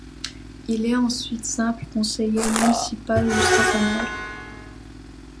Il est ensuite simple conseiller municipal jusqu'à sa mort.